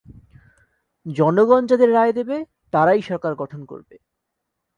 জনগণ যাদের রায় দেবে, তারাই সরকার গঠন করবে।